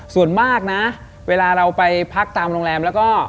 ส่วนมากในคลิปวิหารไปเปิดตามโรงแรม